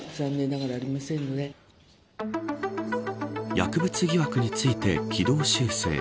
薬物疑惑について軌道修正。